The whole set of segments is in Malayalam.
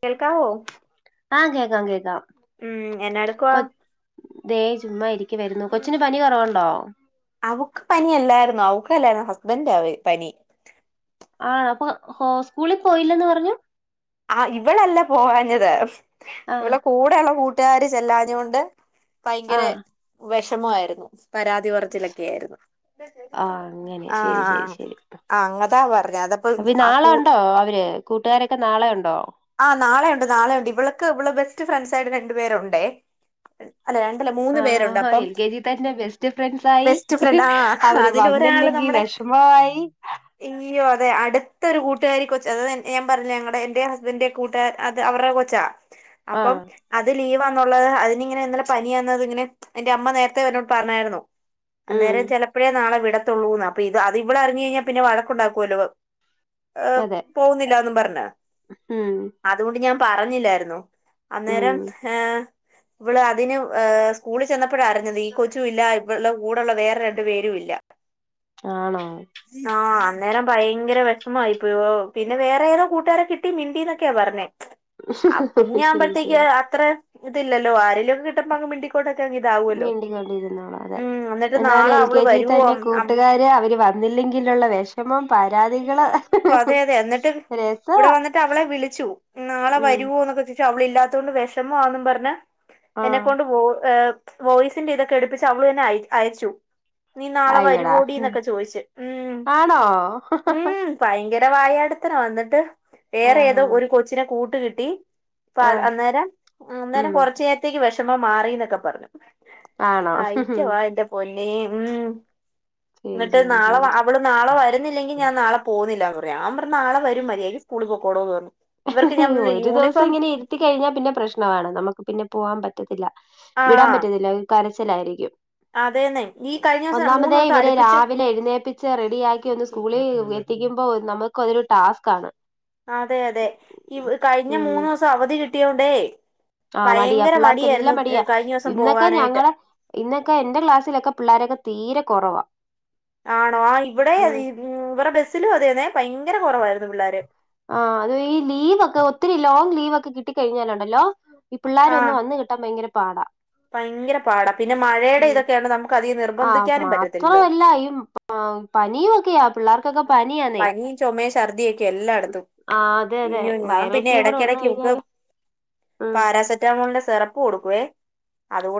കേൾക്കാവോ? ആഹ് കേൾക്കാം കേക്കാം. ഉം എന്നാ എടുക്കുവാ? കൊ ദേ ചുമ്മാ ഇരിക്ക വരുന്നു. കൊച്ചിന് പനി കൊറവുണ്ടോ? അവ്ക്ക് പനി അല്ലാരുന്നു. അവ്ക്കല്ലാരുന്നുഹസ്ബൻ്റാ വെ പനി. ആഹ്, അപ്പൊ ഹോ സ്കൂളിൽ പോയില്ലെന്ന് പറഞ്ഞു. ആഹ്, ഇവളല്ല പോവാഞ്ഞത്, ആഹ് ഇവളെ കൂടെള്ള കൂട്ടുകാരി ചെല്ലാഞ്ഞ കൊണ്ട് ഭയങ്കര ആഹ് വെഷമായിരുന്നു. പരാതി പറച്ചിലൊക്കെ ആരുന്നു. ആഹ്, അങ്ങനെ ശരി ശരി ശരി അങ്ങതാ പറഞ്ഞ അതപ്പ അപ്പൊ ആ നാളെ കൂ ഉണ്ടോ അവര്? കൂട്ടുകാരൊക്കെ നാളെ ഉണ്ടോ? ആഹ്, നാളെ ഉണ്ട് നാളെ ഉണ്ട് ഇവള്ക്ക് ഇവളെ ബെസ്റ്റ് ഫ്രണ്ട്സായിട്ട് രണ്ടു പേര് ഉണ്ടേ. ആഹാ ഹാ! എൽ കെ ജി തന്നെ ബെസ്റ്റ് ഫ്രണ്ട്സായി ബെസ്റ്റ് ഫ്രണ്ട് ആ അവര് വന്നില്ലെങ്കി വെഷ് മമായി ഇനിയൊ അത് അടുത്തൊരു കൂട്ടുകാരി കൊച്ച് അത് തന്നെ ഞാ പറഞ്ഞ്ലെ ഞങ്ങള്ടെ എന്റെ ഹസ് ബൻ്റ കൂട്ടുകാ അത് അവറ്ടെ കൊച്ചാ അപ്പം ആഹ് അത് ലീവാണ്ന്നുള്ളത് അതിനിങ്ങനെ ഇന്നലേ പനിയാന്നത്ങ്ങനെ അയിൻ്റെ അമ്മ നേരത്തെ ഇവനോട് പറഞ്ഞാരുന്നു. ഉം അന്നേരം ചെലപ്പഴേ നാളെ വിടത്തുള്ളൂന്ന് അപ്പൊ ഇത് അത് ഇവിളറിഞ്ഞ് കഴിഞ്ഞാ പിന്നെ വഴക്കുണ്ടാക്കോലോ. ഏഹ് അതെ പോകുന്നില്ലാന്നും പറഞ്ഞ്. ഉം അതുകൊണ്ട് ഞാൻ പറഞ്ഞില്ലാരുന്നു ഉം അന്നേരം ഏഹ് ഇവള് അതിന്ഏഹ് സ്കൂളിൽ ചെന്നപ്പഴാ അറിഞ്ഞത് ഈ കൊച്ചും ഇല്ല ഇവളെ കൂടെള്ള വേറെ രണ്ടു പേരും ഇല്ല [inaudible] ആണോ ആഹ് അന്നേരം ഭയങ്കര വെഷമായിപ്പയോ പിന്നെ വേറെ ഏതോ കൂട്ടുകാരെ കിട്ടി മി ണ്ടിന്നൊക്കെ പറഞ്ഞെ ആഹ് ശരി കുഞ്ഞാകുമ്പഴത്തേക്ക് ശരി അത്ര ഇതില്ലല്ലോ ആരേലും കിട്ടുമ്പങ്ങ് മിണ്ടിക്കോട്ടക്കെ അങ്ങ് ഇതാവുല്ലോ ഞണ്ടിക്കൊണ്ടിരുന്നോളും അതെ ഉം എന്നിട്ട് എന്നാൽ നാളെ എൽ അവള് കെ ജി വരുവോ തന്നെ അ കൂട്ടുകാര് അവര് വന്നില്ലെങ്കിലുള്ള വെഷമം പരാതികള് രസാ ട്ടഅവളെ വിളിച്ചു നാളെ വരുവോ ന്നൊക്കെചൊയ്ച്ചു അവള് ല്ലാത്തത്കൊണ്ട് വെഷമാന്നും പറഞ്ഞ് ആഹ് എന്നെക്കൊണ്ട് വോ ഏഹ് വോയ്സിൻ്റെ ഇതൊക്കെ എടുപ്പിച്ച് അവള് തന്നെ അയ് അയച്ചു നീ നാളെ അയ്യടാ വരിവോടിന്നൊക്കെ ചോയിച്ച് ഉം ആണോ ഉം ഭയങ്കര വായാടിത്തരാ വന്ന്ട്ട് വേറെ ഏതോ ആഹാ ഒരു കൊച്ചിനെ കൂട്ടുകിട്ടി പ്പ അഹ് ആഹ് അന്നേരംഉം അന്നേരം ഉം കൊറച്ചേ രത്തേക്ക് വെഷമം മാറിന്നൊക്കെ പറഞ്ഞു ആണോ അയിറ്റവാ എന്റെ പൊന്നേ ഉം ശരി ന്നിട്ട് ശരി നാളെ ശരി വാ അ ഇവള് നാളെ വരുന്നില്ലെങ്കി ഞാനാളെ പോവുന്നില്ലാന്ന് പറയാ ഞാൻ പറഞ്ഞ് നാളെ വരും മര്യായക്ക് സ്കൂള് പൊക്കോടോന്ന് പറഞ്ഞു ഇവർക്ക് ഞാൻ പറഞ്ഞില്ലേ ഒരു ദിവസം യൂണിഫോം ഇങ്ങനെ ഇരി ത്തിക്കഴിഞ്ഞാ പിന്നെ പ്രശ്നമാണ് നമ്മക്ക് പിന്നെ പോവാ പറ്റത്തില്ല വിടാൻ ആഹ് പറ്റ്ന്നില്ലഏഹ് കരച്ചിലായിരിക്കും അതേന്നെ ഈ കഴിഞ്ഞ ദിവസം മൂന്ന് ഒന്നാമതേ ദിവസം ഇവരെ അടുപ്പിച്ച് രാവിലെ എഴുന്നേപ്പി ച്ച് റെഡിയാക്കി ഒന്ന് സ്കൂളിൽ എത്തിക്കുമ്പോ നമക്ക് ഒരു ട്ടാസ്‌ക്കാണ് ആഹ് അതെ അതെ ഈ കഴിഞ്ഞ മൂന്ന്സം അവധി കിട്ടിയോണ്ടേ ആഹ് മടിയാ ഭയങ്കര മടിയായിരുന്നു പിള്ളേർക്കെല്ലാം മടിയാ കഴിഞ്ഞ ദിവസം ഇന്നൊക്കെ പോകാനായിട്ട് ഞങ്ങളെ ഇന്നൊക്കെ എന്റെ ക്ലാസിലൊക്കെ പിള്ളോരൊക്കെ തീരെ കൊറവാ ആണോ ആഹ് ഇവടെ അതേ ഉം ഇവടെ ബെസ്സിലും അതേന്നെ ഭയങ്കര കൊറവായിരുന്നു പിള്ളാര് ആഹ് അത് ഈ ലീവ് ഒക്കെ ഒത്തിരി ലോങ് ലീവൊക്കെ കിട്ടി കഴിഞ്ഞാലുണ്ടല്ലോ ഈ ആ പിള്ളാരൊന്ന് വന്ന് കി ട്ടാ ഭയങ്കര പാടാ ഭയങ്കര പാടാ പിന്നെ മഴേടെ ഉം ഇതൊക്കെയാണ് നമുക്ക് അതി നിർബന്ധിക്കാനും പറ്റത്തില്ലോ ആഹ് പനീ ഒക്കെയാ പിള്ളാർക്കൊക്കെ പനിയാന്നെ ചൊമേം ഛർദി യൊക്കെ എല്ലാട്ത്തും അതെ അതെ ഇയ്യോ ഞാൻ വൈറൽ പിന്നെ ഫീവർ വന്ന് എടക്കിടക്ക് ഒന്നു കഴിഞ്ഞാല് ഉം പാരാസെ റ്റ മോള്ന്റെ സെറപ്പ് കൊടുക്കുവെ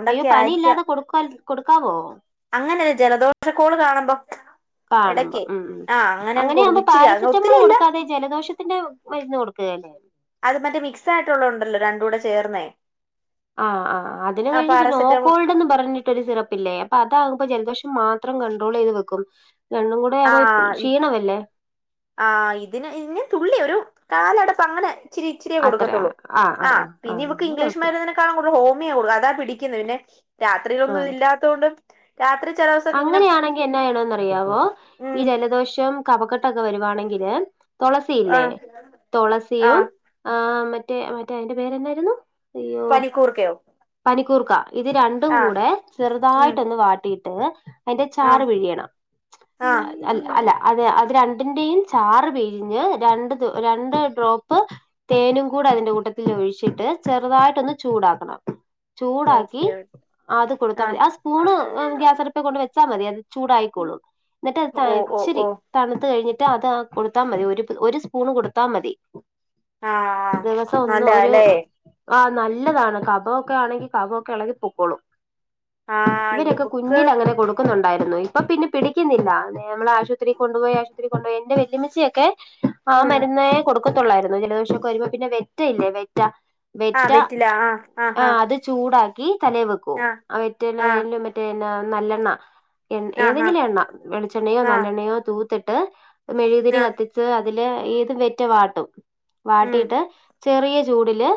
അയ്യോ, പനി ഇല്ലാതെ കൊടുക്ക കൊട്ക്കാവോ അങ്ങനെല്ല ജലദോഷക്കോള് കാണുമ്പം കാണുമ്പം മ് കൊടുക്കും അങ്ങനെയാഉമ്പോ ഇച്ചിരി അങ്ങ് പാരസെറ്റമോള് ഒത്തിരിയല്ല കൊട്ക്കാതെ ജലദോഷത്തിന്റെ മരുന്ന് കൊടുക്കുകല്ലേ അത് മറ്റേ മിക്സായിട്ടുള്ളൊ ഉണ്ടല്ലോ രണ്ടൂടെ ചേർന്നേ ആ ആ അതിന് ആ കഴിഞ്ഞ് പിന്നെ പാരസെറ്റാമോൾ ഓക്കോൾഡെന്നും പറഞ്ഞ് ട്ടൊരു സിറപ്പില്ലേ അപ്പ അതാമ്പ ജലദോഷം മാത്രം കണ്ട്രോള് എയ്ത് വെക്കും രണ്ടും കൂടെ ആകുമ്പോ ക്ഷീണമല്ലേ ആ ഇതിന് ഇന് തുള്ളി ഒരു കാലടപ്പു ച്ചിരി ഇച്ചിരിയെ അത്ര കൊടുക്കത്തൊള്ളൂ ആഹ് ആ ആഹ് ആഹ് പിന്നെ ആഹ് ഇവക്ക് എന്നാ കൊഴപ്പല്ല ഇംഗ്ലീഷ്മര്ന്നെനെ ക്ക അവൾക്കു ഹോമിയ കൊട്ക്കാ അതാ പിടിക്ക്ന്നു പിന്നെ രാത്രിലൊന്നും ആഹ് ഇല്ലാത്തോണ്ട് രാത്രി ചെലോസം അങ്ങനെയാണെങ്കി എനാ എയ്യണമെന്നറിയാവോ ഉം ഈ ജലദോഷം കഫ ക്കെട്ടൊക്കെ വരുവാണെങ്കില് തുളസിയില്ലേ ആഹ് തുളസിയും ആഹ് ആ മറ്റേ മറ്റേ അയ്ൻ്റെ പേര് എന്തായിര്ന്നു അയ്യോ പനിക്കൂർക്കയോ പനിക്കൂർക്ക ഇത് രണ്ടും ആഹ് കൂടെ ഉം ചെറുതായിട്ടൊന്ന് വാട്ടി ട്ട് അയ്ന്റെ ചാറ് ആഹ് പിഴിയണം ആഹ് അൽ ല്ല അല്ല അതെ അത് രൺ ണ്ട്ന്റെയും ചാറ് പിഴിഞ്ഞ് രണ്ട് ദി രണ്ട് ഡ്രോപ്പ് തേനും കൂടെ അതിന്റ കൂട്ടത്തിൽ ഒഴിച്ചിട്ട് ചെറുതായിട്ടൊന്ന് ചൂടാക്കണം. ചൂടാക്കി ഓക്കെ അത് കൊടുത്താ ആഹ് മതി ആ സ്പൂണ് ഉം ഗ്യാസ് ട്പ്പെ കൊണ്ട് വെച്ചാ മതി അത് ചൂടായിക്കോളും ന്നെട്ട് അത് ത ഓ ഓ ച്ചിരി ഓ തണുത്ത് കഴിഞ്ഞിട്ട് അത് കൊടുത്താ മതി ഒരു ഒരു സ്പൂണ് കൊടുത്താ മതി. ആഹ് ആഹ് ദിവസം ഒന്ന് ഒര്- നല്ലതാല്ലേ ആഹ് നല്ലതാണ് കഫംയൊക്ക ആണെങ്കി കഫയൊക്കെ എളകി പൊക്കോളും ആഹ് ഇവരൊക്കെ കു ഇവക്ക് ത്തെറ കൊടുക്കുന്നുണ്ടായിരുന്നു ഇപ്പ പിന്നെ പിടിക്കുന്നില്ല അതേ അമ്മള് ആശുപത്രി കൊണ്ടുപോയി ആശുത്രി കൊണ്ടുപോയി എന്റെ വെല്ലമ്മച്ചിയൊക്കെ- ആ ഉം മരുന്നേ കൊടുക്കത്തൊള്ളായിരുന്നു ജലദോഷൊക്കെ വരുമ്പോ പിന്നെ വെറ്റയില്ലേ വെറ്റ ആഹ് വെറ്റ വെറ്റില ആഹ് ആഹ് അത് ചൂടാക്കി തലേ വെക്കും ആഹ് ആ വെറ്റേല് ആഹ് എല്ലു മറ്റേ ന നല്ലെണ്ണ ആഹ് ഏതെങ്കിലും ആഹ് എണ്ണ വെളിച്ചെണ്ണയോ ആഹ് നല്ലെണ്ണയോ തൂത്തിട്ട് മെഴുതിരി ആഹ് കത്തി - ത്ത് അതില് ഏത് വെറ്റ വാട്ടും ഉം വാട്ടിട്ട് ചെറിയ ചൂടില്-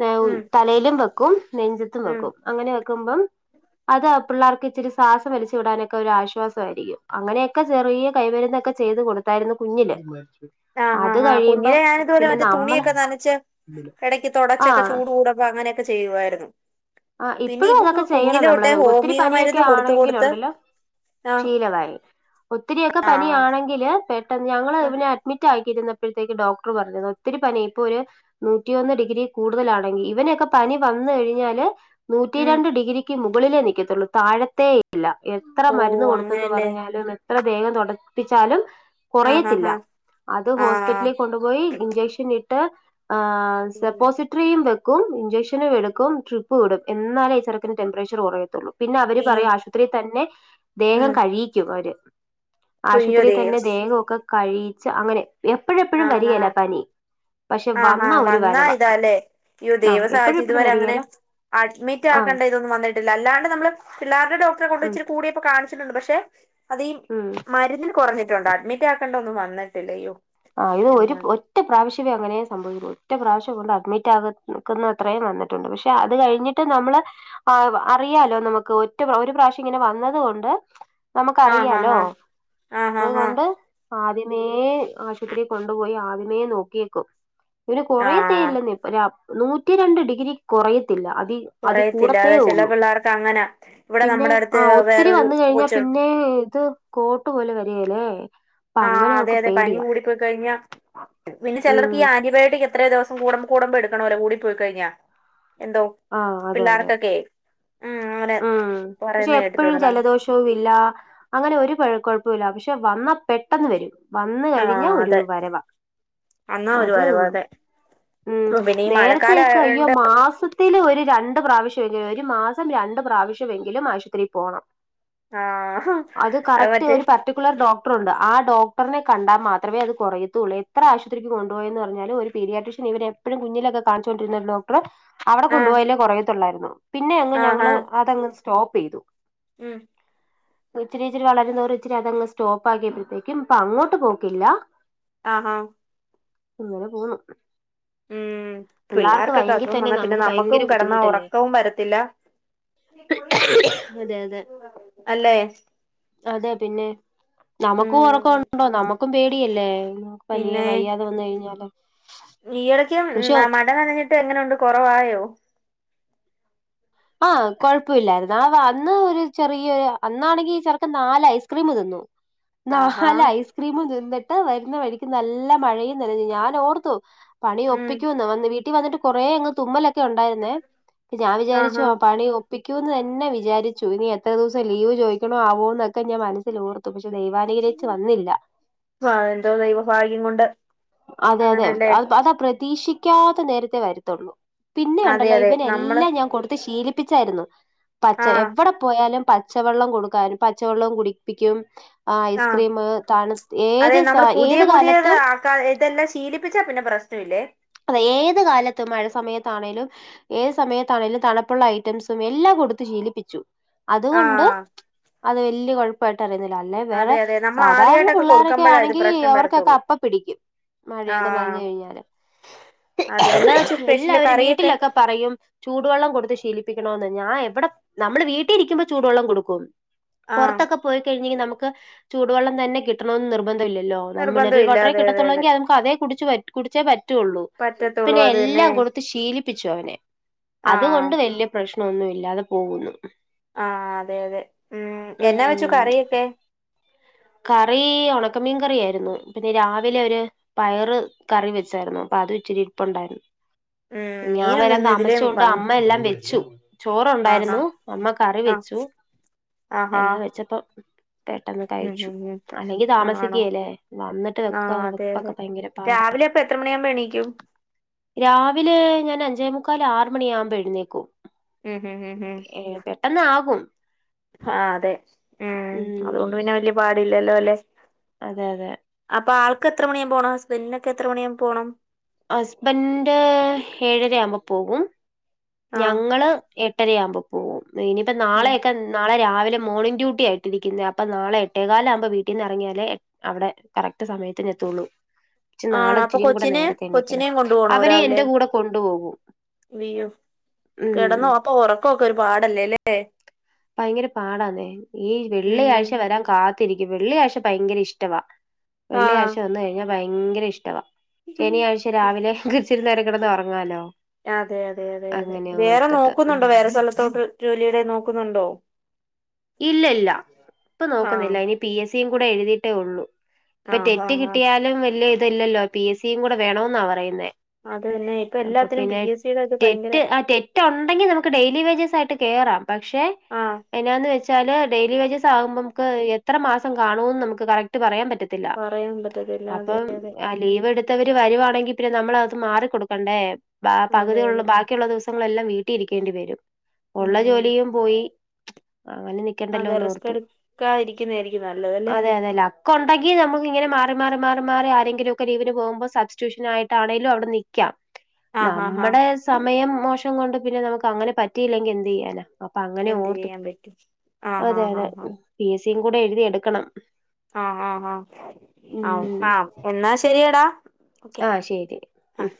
നേം ഉം തലേലും വെക്കും നെഞ്ചത്തും ഉം വെക്കും അങ്ങനെ വെക്കുമ്പം അതാ- പിള്ളാർക്ക് ഇച്ചിരി ശ്വാസം വലിച്ചു വിടാനൊക്കെ ഒരു ആശ്വാസം ആയിരിക്കും അങ്ങനെയൊക്കെ ചെറിയ കൈമെരുന്നൊക്കെ ചെയ്ത് കൊട് അതായിരുന്നു കുഞ്ഞില് ആഹ് അത് ആഹ് ആഹ് കഴിയുമ്പം കുഞ്ഞിനെ ഞാനിതുപൊല പിന്നെ അവന്റെ നമ്മള് തുണിയൊക്കെ നനച്ച്- എടക്ക് ആ തൊടച്ചൊക്കെ ചൂട് കൂടുമ്പ അങ്ങനൊക്കെ ചെയ്യുവായിരുന്നു ആ പിന്നെ ഇപ്പഴും ഇവക്ക് അതൊക്കെ ചെയ്യണം കുഞ്ഞിലെ തൊട്ടേ നമ്മളത് ഒത്തിരി ഹോമിയോ പനിയൊക്കെ മരുന്ന് കൊടുത്ത് കൊടുത്ത് ആണേങ്കിലുണ്ടല്ലോ- ആഹ് ശീലമായി ഒത്തിരിയൊക്കെ ആഹ് പനിആണെങ്കില് പെ ട്ടന്ന് ഞങ്ങള് ആഹ് ഇവനെ അഡ്മിറ്റ് ആക്കി ഇര്ന്നപ്പഴത്തേക്ക് ഡോക്ടർ പറഞ്ഞത് ഒത്തിരി പനി ഇപ്പൊ ഒര്- നുറ്റി ഒന്ന് ഡിഗ്രി കൂടുതലാണെങ്കി ഇവനെക്കെ പനി വന്നു കഴിഞ്ഞാല്- നുറ്റി ഉം രണ്ട് ഡിഗ്രിക്ക് മുകളിലേ നിക്കത്തൊള്ളൂ താഴത്തെയി ഇല്ല എത്ര മരുന്ന് ഓഹ് കൊടുത്തെന്ന് അങ്ങനെയല്ലേ പറഞ്ഞാലും എത്ര ദേഹം തൊടപ്പിച്ചാലും- ആഹ് ആഹ് കൊറയത്തില്ല ആഹ് അത് ആഹ് ഹോസ്പിറ്റലി കൊണ്ടുപോയി ഇഞ്ചെക്ഷന്ട്ട് ആഹ് ഉം സെപ്പോസിറ്റ്റിയും വെക്കും ഇഞ്ചെക്ഷനും എടുക്കും ട്രി ട്രിപ്പ്‌ ഇടും എന്നാലേ ഈ ചെറുക്കന് ടെമ്പ്റേചറ് കൊറയത്തൊള്ളൂ പിന്നെ അവര് അയ്യോ പറയും ആശുപത്രിയി തന്നെ ദേഹം ഉം കഴീക്കും അവര് അയ്യോ ആശുപത്രിയില് തന്നെ ദൈവമേ ദേഹൊക്കെ കഴീച്ച് അങ്ങനെ എപ്പഴെപ്പഴും വരിയേല പനി പക്ഷെ ആഹ് ഹാ വന്ന ഒരു വന്നാ വരവ ഇതാല്ലേ യ്യോ ആ ദൈവ സഹായിച്ച് എപ്പോഴെപ്പോഴും ഇതുവരെ അങ്ങനെ- വരികയില്ല ആ അഡ്മിറ്റാക്കണ്ടയിതോന്നും വന്നിട്ടില്ല അല്ലാണ്ട് നമ്മള് പിള്ളാരടെ ഡോക്ടറെ കൊണ്ട് ഉം ഇച്ചിരി കൂടിപ്പം കാൺച് ച്ച്ണ്ട് പക്ഷെ അതീം ഉം മരുന്നില് കൊറഞ്ഞിട്ടുണ്ട് അഡ്മിറ്റ് ആക്കേണ്ട ഒന്നും വന്നിട്ടില്ല അയ്യോ ആഹ് ഇത് ഒരു- എന്നാണ് ഒറ്റ പ്രാവശ്യമേ അങ്ങനെയും സംഭവിക്കുള്ളൂ ഒറ്റ പ്രാവശ്യം കൊണ്ട് അഡ്മിറ്റ് ആകുന്ന അത്രയും വന്നിട്ടുണ്ട് പക്ഷെ അത് കഴിഞ്ഞ്ട്ട് - ന്നിട്ട് നമ്മള് ആ അറിയാലോ നമുക്ക് ഒറ്റ ഒരു പ്രാവശ്യം ഇങ്ങനെ വന്നത്കൊണ്ട്- ആഹ് നമുക്കറിയാലോ ആഹ് ആഹ് ആഹ് ആഹ് ആഹ് അതുകൊണ്ട്- ആദ്യമേ ആശുപത്രി കൊണ്ടുപോയി ആദ്യമേ നോക്കിയേക്കും ഇവന് ആഹ് കൊറേയത്തേല്ലേന്നേ നൂറ്റി രണ്ട് ഡിഗ്രി കൊറയത്തില്ല അതി- അതി കുറയത്തില്ല അതെ ചില കൂടത്തേയുള്ളൂ പിള്ളേർക്ക് അങ്ങനാ ഇവിടെ പിന്നെ നമ്മുടെ അടുത്ത് ആ ഒത്തിരി വേറൊരു വന്ന് കയിഞ്ഞാ കൊച്ച് പിന്നെ ഇത്- കോട്ട് പോലെ വരികെലെ അപ്പ അങ്ങനെ അവക്ക് പേടിയാ കഴിഞ്ഞ പിന്നെ ഉം ചെലർക്ക് ഈ ആന്റിബയോട്ടിക് എത്ര ദെവസം- കൂടെ കൂടെ പെടുക്കണല്ലോ കൂടി പോയി കയിഞ്ഞാ എന്തോ- ആഹ് അതെ അതെ പിള്ളേർക്കൊക്കെ ഉം അങ്ങനെ ഉം പക്ഷെ പറയുന്ന എപ്പഴും കേട്ടിട്ടുണ്ട് നം ജലദോഷം- നില്ല അങ്ങനെ ഒരു കൊഴ കൊഴപ്പല്ല പക്ഷെ വന്ന പെട്ടെന്ന് വരും വന്ന് ആ കഴിഞ്ഞാ ഒരു അതെ വരവാ അന്നാ ഒരു അത് ഉം പരുവം അതെ പിന്നെ ഈ മഴക്കാലം നേരത്തൊക്കെ അയ്യോ ആയോണ്ട് മാസ- ത്തില് ഒരു രണ്ട് പ്രാവശ്യെങ്കിലും ഒരു മാസം രണ്ട് പ്രാവശ്യമെങ്കിലും ആശുപത്രി പോണം ആ അത് കറക്റ്റ് ഒരു പ- പർട്ടിക്കുലർ ഡോക്റൊണ്ട് ആ ഡോക്ടറിനെ കണ്ടാ മാത്രമേ അത് കൊറയത്തുള്ളൂ എത്ര ആശുപത്രിക്ക് കൊണ്ടുപോയെന്ന് പറഞ്ഞാലും ഒരു- പീടിയാട്രീഷ്യൻ ഇവര് എപ്പഴും കുഞ്ഞിലൊക്കെ കാണിച്ചുകൊണ്ടിരുന്ന ഒരു ഡോക്ടറ് അവടെ ആ കൊണ്ടുപോയാലെ കൊറയത്തുള്ളായിരുന്നു പിന്നെ അങ്ങ് ആ ആ ഞങ്ങള് അതങ്ങ് സ്റ്റോപ്പ്‌ ചെയ്തു ഉം ഇച്ചിരി ഇച്ചിരി വളരും തോറും ഇച്ചരി അതങ്ങ് സ്റ്റോപ്പ് ആക്കിയപ്പഴത്തേക്കും പ്പ അങ്ങോട്ട് പോക്കില്ല ആഹ ഇങ്ങനെ പോവുന്നു. ഉം പിള്ളേർക്ക് പിള്ളേർക്കൊക്കെ വയ്യങ്കി അസുഖം വന്നാ പിന്നെ നമ്മുക്കും കെടന്നാ ഒറക്കവും വരത്തില്ല അതെ അതെ അല്ലേ അതെ പിന്നെ നമുക്കും ഉം ഒറക്കണ്ടോ നമ്മക്കും പേടിയല്ലേ പനിയാ പിന്നെ വയ്യാതെ വന്നു കയിഞ്ഞാല് ഈയിടക്ക് മഴനനഞ്ഞിട്ട് എങ്ങനുണ്ട് കൊറവായോ ആ കൊഴപ്പല്ലായിരുന്നു. അവ അന്ന് ഒരു ചെറിയൊരു അന്നാണെങ്കി ചെറ്ക്കൻ നാല് ഐസ്ക്രീം തിന്നു [inaudible] നാല് ഐസ്ക്രീമും തിന്നിട്ട് വരുന്ന വഴിക്ക് നല്ല മഴയും നനഞ്ഞു ഞാനോർത്തു ഉം പണിഒപ്പിക്കൂന്ന് വന്ന് വീട്ടി വന്നിട്ട് കൊറേ അങ്ങ് തുമ്മലൊക്കെ ഉണ്ടായിരുന്നേ ഞാൻ വിചാരിച്ചു ആഹാ ആ പണി ഒപ്പിക്കൂന്നന്നെ വിചാരിച്ചു ഇനി എത്ര ദിവസം ലീവ് ചോദിക്കണോ ആവോ എന്നൊക്കെ ഞാൻ മനസ്സിൽ ഓർ ത്തു പക്ഷെ ദൈവനുഗ്രഹിച്ച് വന്നില്ല ആ എന്തോ ദൈവഭാഗ്യം കൊണ്ട് അതെ അതെ അങ്ങനല്ലേ അ അതാ പ്രതീക്ഷിക്കാത്ത നേരത്തെേ വരുത്തുള്ളൂ പിന്നെ അതെ ഇണ്ടല്ലോ അതെ ഇവന് നമ്മള് എല്ലാം ഞാൻ കൊടുത്ത് ശീലിപ്പിച്ചായിരുന്നു പച്ച ആഹ് എവിടെ പോയാലും പച്ചവെള്ളം കൊടുക്കാനും പച്ചവെള്ളം കുടിപ്പിക്കും ആ ആഹ് ഐസ്ക്രീമ് തണു ഏത് സ ഏത് കാലത്തും ത ഇതെല്ലാം ശീലിപ്പിച്ചാ പിന്നെ പ്രശ്നല്ലേ അത് ഏത് കാലത്തും മഴ സമയത്താണേലും ഏത് സമയത്താണേലും തണപ്പുള്ള ഐറ്റംസും എല്ലാം കൊടുത്ത് ശീലിപ്പിച്ചു അതുകൊണ്ട് ആഹ് അത് വല്യ കൊഴപ്പ പ്പായിട്ട് അറിയുന്നില്ല അല്ലെ വേറെ അതെ അതെ നമ്മൾ സാധാരണ ആദ്യായിട്ടൊക്കെ പിള്ളോരൊക്കെ കൊടുക്കുമ്പോഴാ ഇത് ആണെങ്കി പ്രശ്നം അവർക്കൊക്കെ വരത്തുള്ളൂ അപ്പ പിടിക്കും മഴയൊക്കെ നനഞ്ഞു ആഹ് കയിഞ്ഞാല് അതെ എന്നാ വെച്ച് സ്പെഷ്യല് കറിയൊക്കെ വീട്ടിലൊക്കെ പറയും ചൂടുവെള്ളം കൊടുത്ത് ശീലിപ്പിക്കണന്ന് ഞാൻ എവടെ നമ്മള് വീട്ടിരിക്കുമ്പോ ചൂടുവെള്ളം കൊടുക്കും ആഹ് പൊറത്തൊക്കെ പോയി കഴിഞ്ഞെങ്കി നമുക്ക് ചൂടുവെള്ളം തന്നെ കിട്ടണന്ന് നിർബന്ധല്ലല്ലോ മിനറൽ നിർബന്ധം ഇല്ല വാട്ടറെ അതെ അതെ അതെ കിട്ടത്തുള്ളെങ്കി നമുക്ക് അതേ കു കുടിച്ചേ പറ്റുള്ളൂ പറ്റത്തുള്ളൂ പിന്നെ അത് തന്നെ എല്ലാം കൊട് ത് ശീലിപ്പിച്ചു അവനെ ആഹ് അതുകൊണ്ട് വല്ല്യെ പ്രശ്നൊന്നും ഇല്ലാതെ പോകുന്നു ആഹ് അതെ അതെ ഉം എന്നാ വെച്ചു ഉം കറിയൊക്കെ കറി ഒണക്കമീൻ കറിയായിരുന്നു പിന്നെ രാവിലെ ഒരു പയറ് കറി വെച്ചായിരുന്നു അപ്പം അത് ഇച്ചിരി ഇരിപ്പുണ്ടായിരുന്നു ഉം ഞാൻ മീനൊന്നും വരാൻ ഇന്ന് ഇതിലേ താമസിച്ചൊണ്ട് വന്ന് അമ്മ എല്ലാം വെച്ചു ആഹാ ചോറുണ്ടായിരുന്നു അമ്മ കറി ആഹ് വെച്ചു ആഹാ എല്ലാം വെച്ചപ്പം പെട്ടെന്ന് ഉം കഴിച്ചു ഉം ഉം അല്ലെങ്കി ആണോ താമസിക്കല്ലേ വന്നിട്ട് വെക്ക ആഹ് അതെ അതെ വെപ്പൊക്കെ ഭയങ്കര പാടാ രാവിലെ അപ്പൊ എത്ര മണിയാകുമ്പോ എണീക്കും രാവിലെ ഞാൻ അഞ്ചേ മുക്കാൽ ആറു മണിയാകുമ്പോ എഴുന്നേക്കും ഉം ഉം ഉം ഉം ഏ പെട്ടെന്ന് ആകും ആഹ് അതെ ഉം അതുകൊണ്ട് പിന്നെ വല്യ പാടില്ലല്ലോ അല്ലെ അതെ അതെ അപ്പൊ ആൾക്ക് എത്ര മണിയാകുമ്പോ പോണം ഹസ്ബന്റിനൊക്കെ എത്ര മണിയാകുമ്പോ പോണം ഹസ്ബൻഡ് ഏഴര ആവുമ്പോ പോകും ആഹ് ഞങ്ങള് എട്ടരയാവുമ്പോ പോകും ഇനിയിപ്പോ ഉം നാളെയൊക്കെ നാളെ രാവിലെ മോണിംങ് ഡ്യൂട്ടിയാ ഇട്ടിരിക്കുന്നേ അപ്പം നാളെ എട്ടേകാലാകുമ്പോ വീട്ടീന്ന് ഇറങ്ങിയാലേ അവിടെ കറക്റ്റ് സമയത്തിന് എത്തുള്ളൂ ച് നാളെ ആണോ അപ്പൊ ഇച്ചിരീം കൂടെ കൊച്ചിനെ നേരത്തെ എണ്ണിക്കണം കൊച്ചിനെയും അവരെ എന്റെ കൂടെ കൊണ്ടുപോകും വിയ്യോ ഉം കെടന്നൊ അപ്പൊ ഒറക്കൊക്കെ ഒരു പാടല്ലെ ല്ലേ ഭയങ്കര പാടാന്നേ ഈ ഉം വെള്ളിയാഴ്ച വരാൻ കാത്തിരിക്കും വെള്ളിയാഴ്ച ഭയങ്കര ഇഷ്ടവാ ആഹ് വെള്ളിയാഴ്ച വന്ന് കഴിഞ്ഞാ ഭയങ്കര ഇഷ്ടമാ ശനിയാഴ്ച രാവിലെ ഇച്ചിരി നേരം കിടന്ന് ഉറങ്ങാലോ അതെ അതെ അതെ അതെ അങ്ങനെ വേറെ ഓർത്തിട്ട്. നോക്കുന്നുണ്ടോ ഉം. വേറെ സ്ഥലത്തോട്ട് ജോലിയടെ നോക്കുന്നുണ്ടോ ഇല്ല ഇല്ല ഇപ്പൊ ആഹ് നോക്കുന്നില്ല ഇനി പി എസ് സിയും കൂടെ എഴുതിയിട്ടേ ഉള്ളൂ ഇപ്പൊ റൈറ്റ് ആഹ് കിട്ടിയാലും വലിയ ഇതല്ലല്ലോ പി എസ് സിയും കൂടെ വേണമെന്നാ പറയുന്നേ അത് തന്നെ ഇപ്പൊ അപ്പൊ എല്ലാത്തിനും പി പിന്നെ എസ് സിയുടെ ഒക്കെ ഭയങ്കര റെറ്റ് ആ റെറ്റ് റെറ്റ് ഉണ്ടെങ്കി നമുക്ക് ഡെയിലി വേജസ് ആയിട്ട് കേയറാം പക്ഷെ ആഹ് എന്നാന്ന് വെച്ച ഡെയിലി വേജസ് ആകുമ്പോ നമ്മക്ക് എത്ര മാസം കാണുമെന്ന് നമുക്ക് കറക്റ്റ് പറയാൻ പറ്റത്തില്ല പറയാൻ പറ്റത്തില്ല അതെ റ്റത്തില്ല അതെ അപ്പോ ലീവ് എടു ത്തവർ വരുവാണെങ്കിൽ പിന്നെ നമ്മളത് മാറിക്കൊടുക്കണ്ടേ അതെ അതെ പകുതികളും ബാക്കി ക്കിയുള്ള ദിവസങ്ങളെല്ലാം വീട്ടിൽ ഇരിക്കേണ്ടി വരും ഉം ഉള്ള ഉം ജോലിയും പോയി അങ്ങനെ നി അതെ റിസ്ക്ക് എടുക്കാ ഇരിക്കുന്നതായിരിക്കും നല്ലതല്ലേ കൊണ്ടെങ്കി നമുക്ക് ഇങ്ങനെ മാറി മാറി മാറി മാറി ആരെങ്കിലൊക്കെ ലീവിന് പോകുമ്പോ സബ്റ്റ്യഷനായിട്ടായാലും അവിടെ നിൽക്കാം ആഹ് ആഹ് ആഹ് നമ്മുടെ സമയം മോശം കൊണ്ട് പിന്നെ നമുക്ക് അങ്ങനെ പറ്റിയില്ലെങ്കി എന്ത് ചെയ്യാനാ അപ്പൊ അങ്ങനെ എന്ത് ഓർത്തു ചെയ്യാൻ പറ്റും ആഹ് അതെ ആഹ് അതെ ആഹ് പി എസ് സിയും കൂടെ എഴുതി എടുക്കണം ആഹ് ആഹ് ആഹ് ഉം ആ ആ എന്നാ ശരിയടാ ഓക്കെ ആ ശരി ആ ഉം